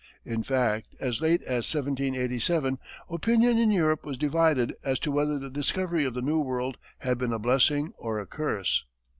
In fact, as late as 1787, opinion in Europe was divided as to whether the discovery of the New World had been a blessing or a curse.